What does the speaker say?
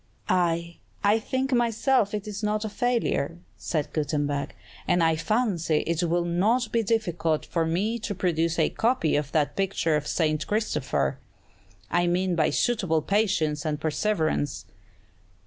"Aye, I think myself it is not a failure," said Gutenberg; "and I fancy it would not be difficult for me to produce a copy of that picture of 'St. Christopher,' I mean by suitable patience and perseverance."